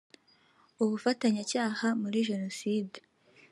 ubufatanyacyaha muri Jenoside